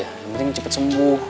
yang penting cepat sembuh